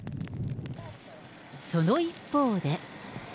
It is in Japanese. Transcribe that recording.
その一方で。